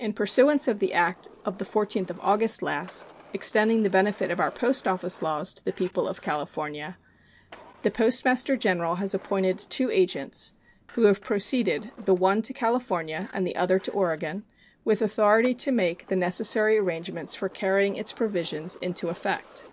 In pursuance of the act of the 14th of August last, extending the benefit of our post office laws to the people of California, the Postmaster General has appointed two agents, who have proceeded, the one to California and the other to Oregon, with authority to make the necessary arrangements for carrying its provisions into effect.